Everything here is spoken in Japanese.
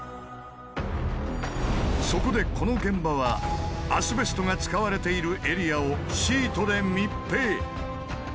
そこでこの現場はアスベストが使われているエリアをシートで密閉。